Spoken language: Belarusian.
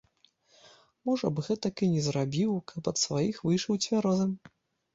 Можа б гэтак і не зрабіў, каб ад сваіх выйшаў цвярозым.